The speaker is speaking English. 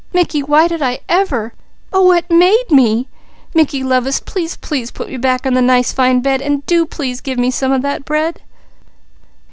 Mickey, why did I ever? Oh what made me? Mickey lovest, please, please put me back on the nice fine bed, an' do please give me some of that bread."